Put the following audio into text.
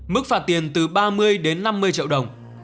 mức phạt tiền từ ba mươi đến năm mươi triệu đồng